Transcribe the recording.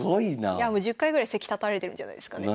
いやもう１０回ぐらい席立たれてるんじゃないですかね